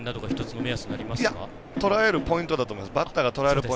バッターがとらえるポイントだと思います。